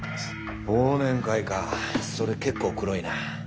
忘年会かそれ結構黒いな。